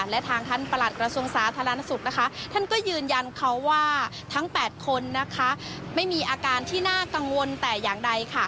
และทางท่านประหลัดกระทรวงสาธารณสุขท่านก็ยืนยันเขาว่าทั้ง๘คนไม่มีอาการที่น่ากังวลแต่อย่างใด